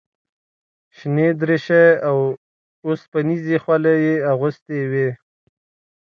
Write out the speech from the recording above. شنې دریشۍ او اوسپنیزې خولۍ یې اغوستې وې.